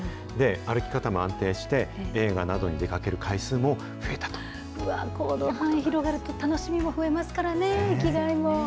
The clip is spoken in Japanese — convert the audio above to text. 歩き方も安定して、映画などに出うわ、行動範囲広がると、楽しみも増えますからね、生きがいも。